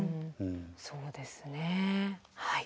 そうですねはい。